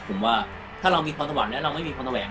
ผมว่าถ้าเรามีพลังตะวันแล้วเราไม่มีพลังตะแหวง